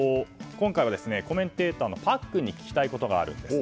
今回はコメンテーターのパックンに聞きたいことがあります。